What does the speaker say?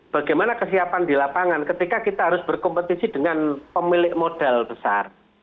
bagaimana kesiapan di lapangan ketika kita harus berkompetisi dengan pemilik modal besar